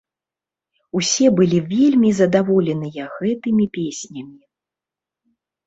Усе былі вельмі задаволеныя гэтымі песнямі.